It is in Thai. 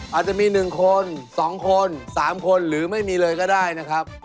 อาจจะมี๑คน๒คน๓คนหรือไม่มีเลยก็ได้นะครับ